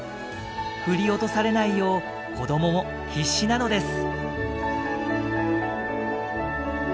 振り落とされないよう子どもも必死なのです。